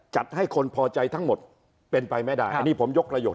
จัดให้คนพอใจทั้งหมดเป็นไปไม่ได้อันนี้ผมยกประโยชน